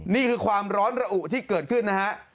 นี่คือความร้อนระอุที่เกิดขึ้นนะฮะ